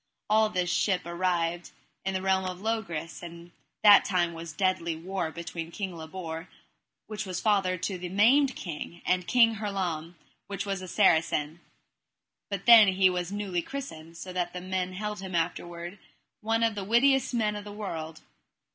Also this ship arrived in the realm of Logris; and that time was deadly war between King Labor, which was father unto the maimed king, and King Hurlame, which was a Saracen. But then was he newly christened, so that men held him afterward one of the wittiest men of the world.